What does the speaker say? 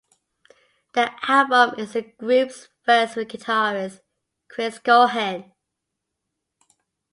The album is the group's first with guitarist Chris Cohen.